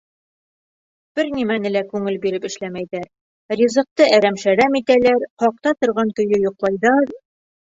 Бер нимәне лә күңел биреп эшләмәйҙәр, ризыҡты әрәм-шәрәм итәләр, һаҡта торған көйө йоҡлайҙар.